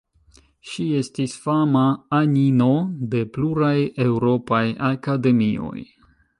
Ŝi estis fama anino de pluraj eŭropaj akademioj.